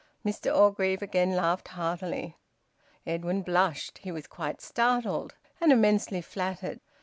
Mr Orgreave again laughed heartily. Edwin blushed. He was quite startled, and immensely flattered.